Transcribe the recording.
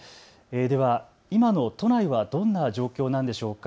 では今の都内はどんな状況なんでしょうか。